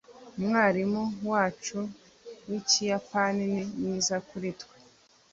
umwarimu wacu wikiyapani ni mwiza kuri twe